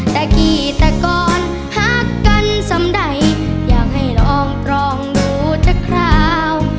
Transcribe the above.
ตะกีตะกอนหักกันสำใดอยากให้ลองตรองดูจักราว